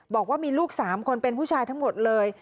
บอกว่ามีลูก๓คนเป็นผู้ชายทั้งหมดเลย